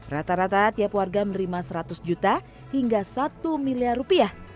rata rata tiap warga menerima seratus juta hingga satu miliar rupiah